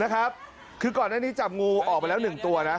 นะครับคือก่อนแรกนี้จำงูออกไปแล้ว๑ตัวนะ